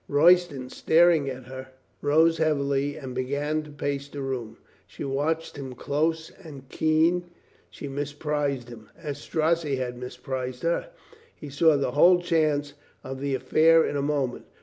Royston, staring at her, rose heavily and began to pace the room. She watched him close and keen. She misprized him, as Strozzi had misprized her. He saw the whole chance of the affair in a moment.